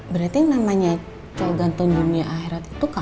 berarti namanya cowok ganteng dunia akhirat itu kamu